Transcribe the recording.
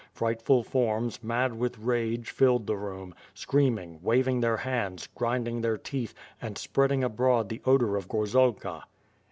Fright ful forms, mad with rage, filled the room, screaming, waving their hands, grinding their teeth, and spreading abroad the odor of gorzalka.